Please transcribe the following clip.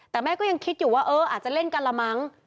แต่แม่ก็ยังคิดอยู่ว่าเอออาจจะเล่นกันละมั้ง